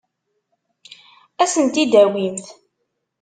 Ad asen-t-id-tawimt?